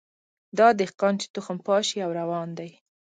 دا دهقان چي تخم پاشي او روان دی